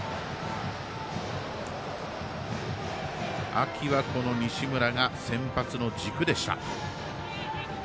秋は、この西村が先発の軸でした。